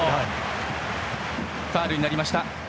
ファウルになりました。